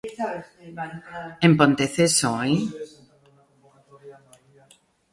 En Ponteceso, ¡eh!